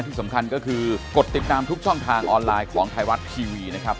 ที่ทางออนไลน์ของไทยรัฐทีวีนะครับ